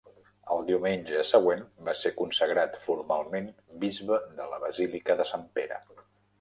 El diumenge següent, va ser consagrat formalment bisbe de la basílica de Sant Pere.